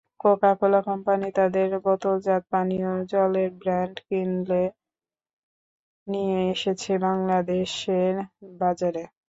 Coca-Cola company তাদের বোতলজাত পানীয় জলের ব্র্যান্ড কিনলে নিয়ে এসেছে বাংলাদেশের বাজারে।